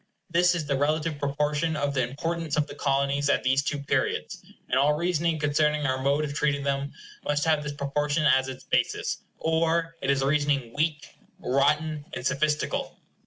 This is the relative proportion of the importance of the Colonies at these two periods, and all reasoning concerning our mode of treating them must have this proportion as its basis, or it is a reasoning weak, rotten, and sophistical.